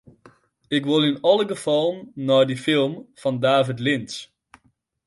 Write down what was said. Ik wol yn alle gefallen nei dy film fan David Lynch.